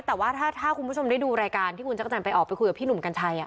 แต่ว่าถ้าคุณผู้ชมได้ดูรายการที่คุณจักรจันทร์ไปออกไปคุยกับพี่หนุ่มกัญชัย